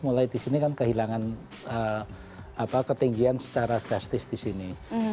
mulai di sini kan kehilangan ketinggian secara drastis di sini